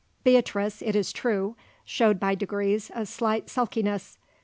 Beatrice, it is true, showed by degrees, a slight sulkiness.